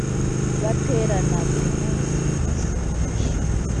baterana buri munsi mu masengesho,